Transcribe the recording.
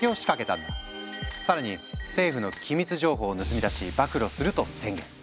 更に政府の機密情報を盗み出し暴露すると宣言。